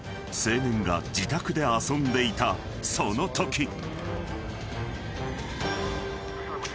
［青年が自宅で遊んでいたそのとき］